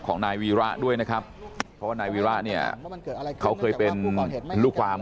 ของนายวีระด้วยนะครับเพราะว่านายวีระเนี่ยเขาเคยเป็นลูกความ